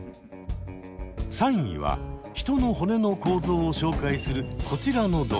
３位は人の骨の構造を紹介するこちらの動画。